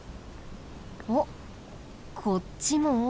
おっこっちも。